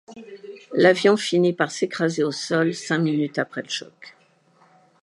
L'avion finit par s'écraser au sol cinq minutes après le choc.